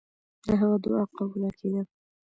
د هغه دعا قبوله کېده.